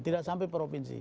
tidak sampai provinsi